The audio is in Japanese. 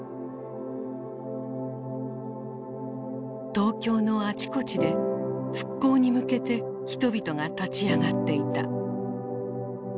東京のあちこちで復興に向けて人々が立ち上がっていた。